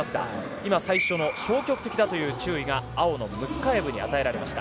今、最初の消極的だという注意がムスカエブに行きました。